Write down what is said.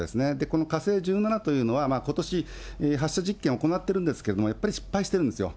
この火星１７というのは、ことし発射実験を行っているんですけれども、やっぱり失敗してるんですよ。